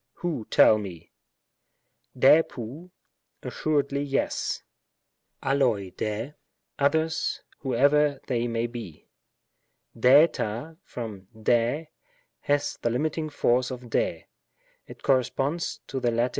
who, tell me ?" Sr^Tiovy " assuredly yes ;" aXXoc Sr^, " others, whoever they may be." SfJTa, from 5;^, has the limiting force of 8ri ; it corresponds to the Lat.